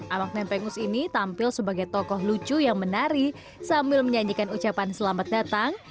awak nempengus ini tampil sebagai tokoh lucu yang menari sambil menyanyikan ucapan selamat datang